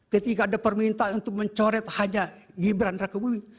ketika ada permintaan untuk mencoret hanya gibran raka bumi